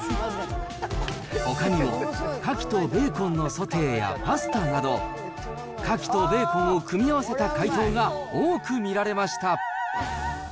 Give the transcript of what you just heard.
ほかにもカキとベーコンのソテーやパスタなど、カキとベーコンを組み合わせた回答が多く見られました。